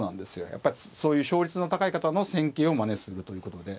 やっぱりそういう勝率の高い方の戦型をまねするということで。